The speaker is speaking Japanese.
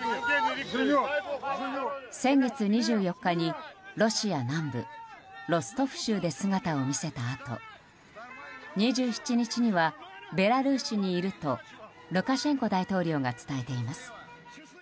先月２４日にロシア南部ロストフ州で姿を見せたあと２７日にはベラルーシにいるとルカシェンコ大統領が伝えています。